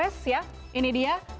ada juarez ya ini dia